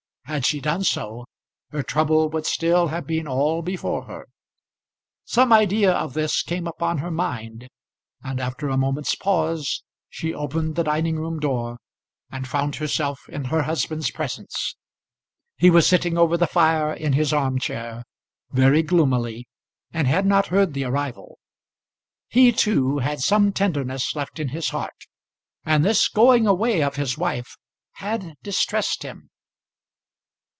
Had she done so her trouble would still have been all before her. Some idea of this came upon her mind, and after a moment's pause, she opened the dining room door and found herself in her husband's presence. He was sitting over the fire in his arm chair, very gloomily, and had not heard the arrival. He too had some tenderness left in his heart, and this going away of his wife had distressed him.